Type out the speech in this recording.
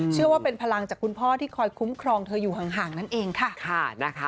เชื่อว่าเป็นพลังจากคุณพ่อที่คอยคุ้มครองเธออยู่ห่างนั่นเองค่ะนะคะ